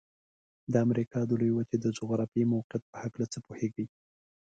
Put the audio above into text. د امریکا د لویې وچې د جغرافيايي موقعیت په هلکه څه پوهیږئ؟